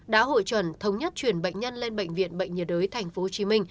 đã hội chuẩn thống nhất chuyển bệnh nhân lên bệnh viện bệnh nhiệt đới tp hcm